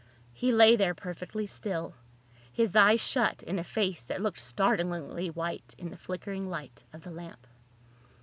He lay there perfectly still, his eyes shut in a face that looked startlingly white in the flickering light of the lamp.